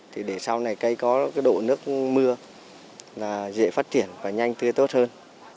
thì để sau này cây có cái độ nước mưa là dễ phát triển và nhanh tươi tốt hơn